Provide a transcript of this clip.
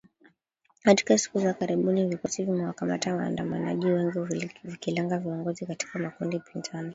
Katika siku za karibuni vikosi vimewakamata waandamanaji wengi vikilenga viongozi katika makundi pinzani